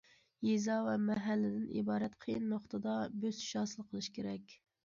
يېزا ۋە مەھەللىدىن ئىبارەت قىيىن نۇقتىدا بۆسۈش ھاسىل قىلىش كېرەك.